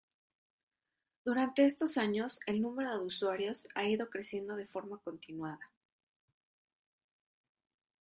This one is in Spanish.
Durante estos años el número de usuarios ha ido creciendo de forma continuada.